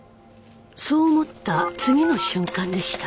そう思った次の瞬間でした。